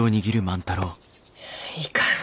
いかん。